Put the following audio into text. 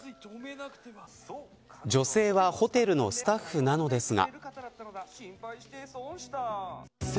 女性は、ホテルのスタッフなのですが。